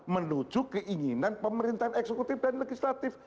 menuju keinginan pemerintahan eksekutif dan legislatif